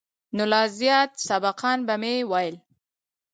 نو لا زيات سبقان به مې ويل.